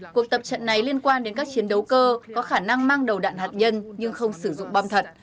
cuộc tập trận này liên quan đến các chiến đấu cơ có khả năng mang đầu đạn hạt nhân nhưng không sử dụng bom thật